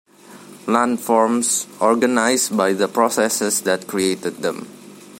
Landforms organized by the processes that create them.